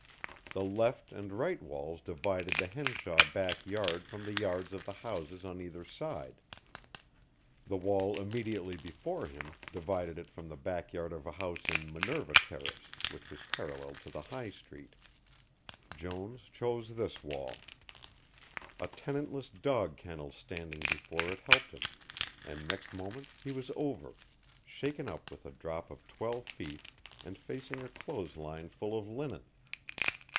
The left and right walls divided the Henshaw back yard from the yards of the houses on either side, the wall immediately before him divided it from the back yard of a house in Minerva Terrace, which was parallel to the High Street. Jones chose this wall. A tenantless dog kennel standing before it helped him, and next moment he was over, shaken up with a drop of twelve feet and facing a clothes line full of linen.